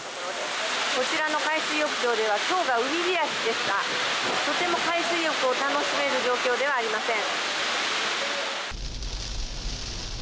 こちらの海水浴場では今日が海開きですがとても海水浴を楽しめる状況ではありません。